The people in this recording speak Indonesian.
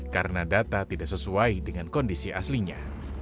karena data tidak sesuai dengan kondisi aslinya